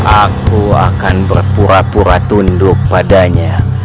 aku akan berpura pura tunduk padanya